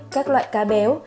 hai các loại cá béo